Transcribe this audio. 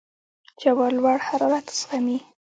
جوار لوړ حرارت زغمي.